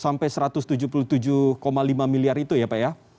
sampai satu ratus tujuh puluh tujuh lima miliar itu ya pak ya